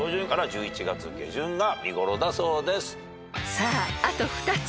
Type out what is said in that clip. ［さああと２つ］